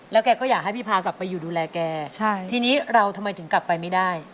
แกก็อยากให้พี่พากลับไปอยู่ดูแลแกใช่ทีนี้เราทำไมถึงกลับไปไม่ได้